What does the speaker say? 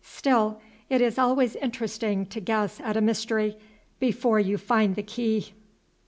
"Still, it is always interesting to guess at a mystery before you find the key."